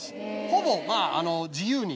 ほぼまぁ自由に。